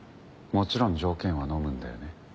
もちろん条件はのむんだよね？